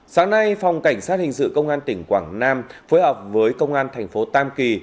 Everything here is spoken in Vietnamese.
sáng nay phòng cảnh sát hình sự công an tỉnh quảng nam phối hợp với công an thành phố tam kỳ